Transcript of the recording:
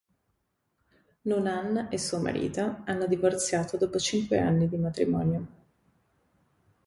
Noonan e suo marito hanno divorziato dopo cinque anni di matrimonio.